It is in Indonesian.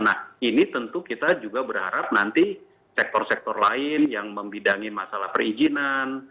nah ini tentu kita juga berharap nanti sektor sektor lain yang membidangi masalah perizinan